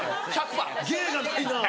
芸がないなぁ。